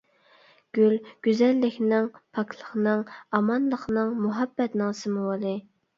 گۈل گۈزەللىكنىڭ، پاكلىقنىڭ، ئامانلىقنىڭ، مۇھەببەتنىڭ سىمۋولى.